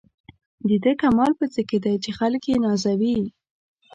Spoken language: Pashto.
د ده کمال په څه کې دی چې خلک یې نازوي.